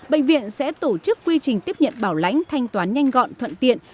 bệnh viện sẽ tổ chức quy trình tiếp nhận bảo lãnh thanh toán nhanh gọn thuận tiện